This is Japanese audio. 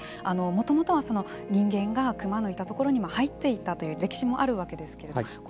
もともとは人間がクマのいたところに入っていったという歴史もあるわけですけれども。